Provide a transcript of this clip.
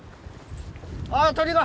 ああ鳥が。